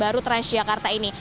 baru transjakarta ini